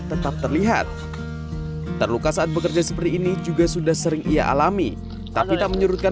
tetap terlihat terluka saat bekerja seperti ini juga sudah sering ia alami tapi tak menyurutkan